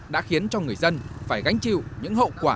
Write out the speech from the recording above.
đã khiến cho người dân phải gánh chịu